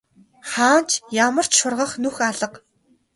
Хаана ч ямар ч шургах нүх алга.